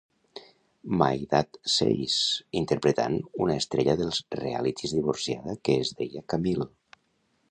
My Dad Says, interpretant una estrella dels realities divorciada que es deia Camille.